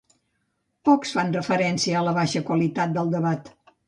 pocs fan referència a la baixa qualitat del debat